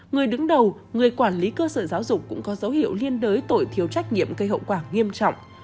người đứng đầu người quản lý cơ sở giáo dục cũng có dấu hiệu liên đới tội thiếu trách nhiệm gây hậu quả nghiêm trọng